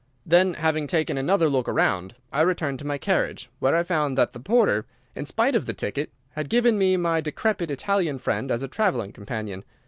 Then, having taken another look round, I returned to my carriage, where I found that the porter, in spite of the ticket, had given me my decrepit Italian friend as a traveling companion.